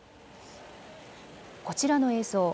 こちらの映像。